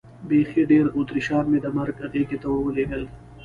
بیخي ډېر اتریشیان مې د مرګ غېږې ته ور ولېږل.